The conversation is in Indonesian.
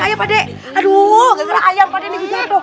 hai maksudnya aja ngapain ya tolong ayah padek aduh